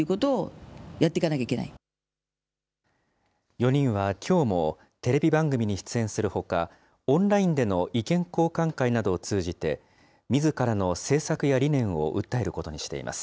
４人はきょうもテレビ番組に出演するほか、オンラインでの意見交換会などを通じて、みずからの政策や理念を訴えることにしています。